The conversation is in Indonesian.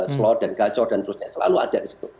slot dan kacau dan seterusnya selalu ada di situ